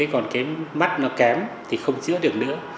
còn mắt nó kém thì không chữa được nữa